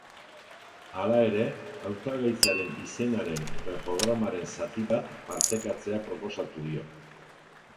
Hala ere, hautagaitzaren izenaren eta programaren zati bat partekatzea proposatu dio.